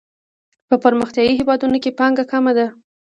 په پرمختیايي هیوادونو کې پانګه کمه ده.